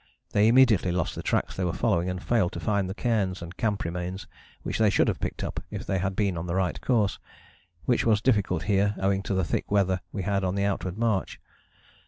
They immediately lost the tracks they were following, and failed to find the cairns and camp remains which they should have picked up if they had been on the right course, which was difficult here owing to the thick weather we had on the outward march.